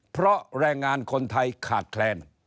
เพราะแรงงานคนไทยขาดแคลน